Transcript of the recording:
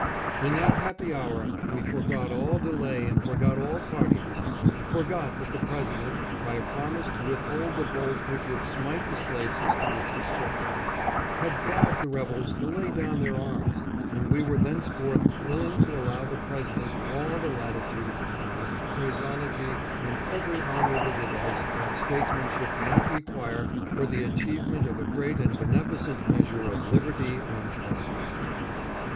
In that happy hour we forgot all delay and forgot all tardiness ; forgot that the President, by a promise to withhold the bolt which would smite the slave system with destruction, had bribed the rebels to lay down their arms ; and we were thenceforward willing to allow the President all the latitude of time, phraseology and every honorable device that statesmanship might require for the achievement of a great and beneficent measure of liberty and progress.